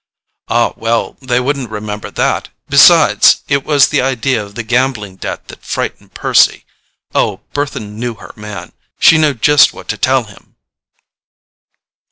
"Ah, well, they wouldn't remember that; besides, it was the idea of the gambling debt that frightened Percy. Oh, Bertha knew her man—she knew just what to tell him!"